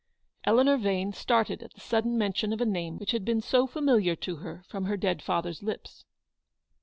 Eleanor Vane started at the sudden mention of a name which had been so familiar to her from her dead father's lips.